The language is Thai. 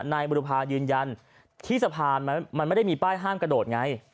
นายบุรุพายืนยันที่สะพานมันไม่ได้มีป้ายห้ามกระโดดไง